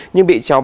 nhưng bị cháu bắt